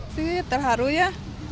sih terharu ya